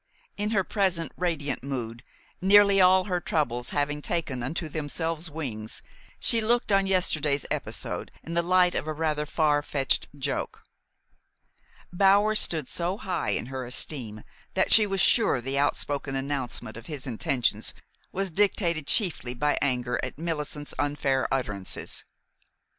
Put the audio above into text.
In her present radiant mood, nearly all her troubles having taken unto themselves wings, she looked on yesterday's episode in the light of a rather far fetched joke. Bower stood so high in her esteem that she was sure the outspoken announcement of his intentions was dictated chiefly by anger at Millicent's unfair utterances.